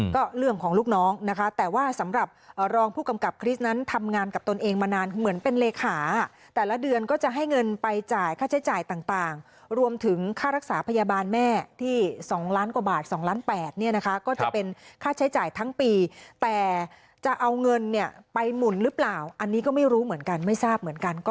ก็เรื่องของลูกน้องนะคะแต่ว่าสำหรับรองผู้กำกับคริสต์นั้นทำงานกับตนเองมานานเหมือนเป็นเลขาแต่ละเดือนก็จะให้เงินไปจ่ายค่าใช้จ่ายต่างรวมถึงค่ารักษาพยาบาลแม่ที่๒ล้านกว่าบาท๒ล้าน๘เนี่ยนะคะก็จะเป็นค่าใช้จ่ายทั้งปีแต่จะเอาเงินเนี่ยไปหมุนหรือเปล่าอันนี้ก็ไม่รู้เหมือนกันไม่ทราบเหมือนกันก็